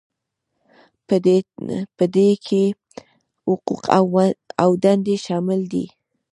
په دې کې حقوق او دندې شاملې دي.